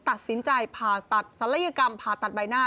ตัดสินใจผ่าตัดศัลยกรรมผ่าตัดใบหน้า